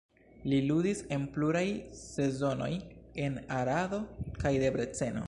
Li ludis en pluraj sezonoj en Arado kaj Debreceno.